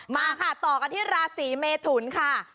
มาค่ะต่อกันที่ราศีเมทุนค่ะ